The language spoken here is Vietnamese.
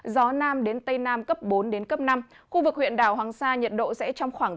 gió nam đến tây nam cấp bốn đến cấp năm khu vực huyện đảo hoàng sa nhiệt độ sẽ trong khoảng